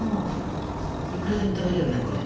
いくらでも食べれるねこれ。